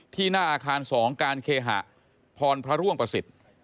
ที่หน้าอาคาร๒การเคหะพรพระร่วงปศิษย์